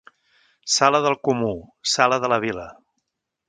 Sala del comú, sala de la vila.